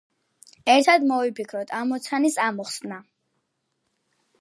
ერთად მოვიფიქროთ ამოცანის ამოხსნა.